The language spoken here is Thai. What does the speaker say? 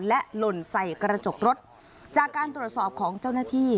และหล่นใส่กระจกรถจากการตรวจสอบของเจ้าหน้าที่